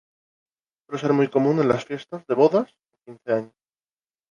Suele ser muy común en las fiestas de bodas o quince años.